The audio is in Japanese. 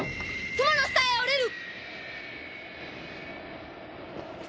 雲の下へ降りる！